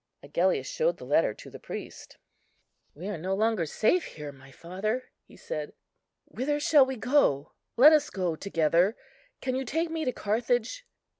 Agellius showed the letter to the priest. "We are no longer safe here, my father," he said; "whither shall we go? Let us go together. Can you take me to Carthage?"